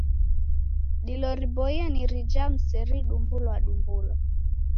Dilo riboie ni rija mrisedumbulwadumbulwa.